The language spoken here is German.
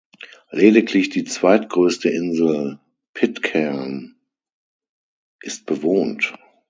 Lediglich die zweitgrößte Insel, Pitcairn, ist bewohnt.